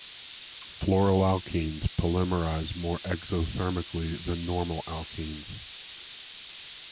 Fluoroalkenes polymerize more exothermically than normal alkenes.